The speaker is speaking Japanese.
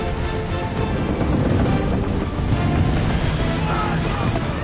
うわ！